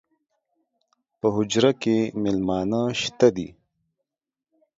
پۀ حجره کې میلمانۀ شته دي